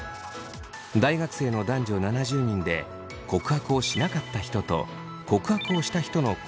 大学生の男女７０人で告白をしなかった人と告白をした人の後悔の大きさを比べました。